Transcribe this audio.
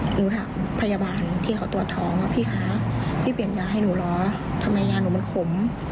หนูถามพยาบาลที่เขาตรวจท้องว่าพี่คะพี่เปลี่ยนยาให้หนูเหรอทำไมยาหนูมันขม